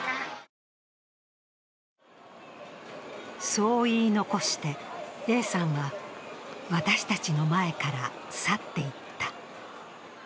そう言い残して、Ａさんは私たちの前から去っていった。